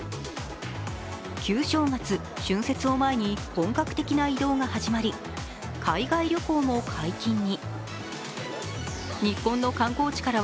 旧正月・春節を前に本格的な移動が始まり海外旅行も解禁に。